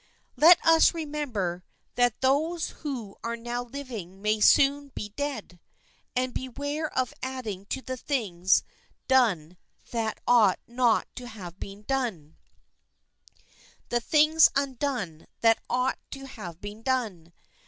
Let us remember that those who are now living may soon be dead, and beware of adding to the things done that ought not to have been done, the things undone that ought to have been done.